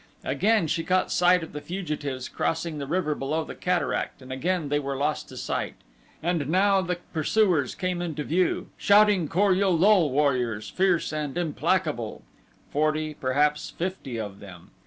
Again she caught sight of the fugitives crossing the river below the cataract and again they were lost to sight. And now the pursuers came into view shouting Kor ul lul warriors, fierce and implacable. Forty, perhaps fifty of them.